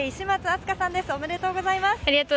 愛朱加さんです、おめでとうございます。